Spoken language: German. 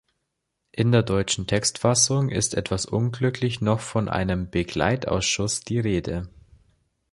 In der deutschen Textfassung ist etwas unglücklich noch von einem Begleitausschuss die Rede.